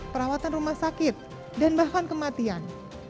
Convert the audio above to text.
perawatan rumah sakit dan bahkan kematian